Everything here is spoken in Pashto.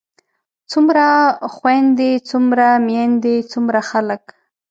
څومره خويندے څومره ميايندے څومره خلک